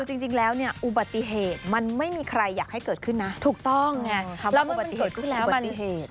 จริงแล้วเนี่ยอุบัติเหตุมันไม่มีใครอยากให้เกิดขึ้นนะถูกต้องไงแล้วอุบัติเหตุขึ้นแล้วอุบัติเหตุ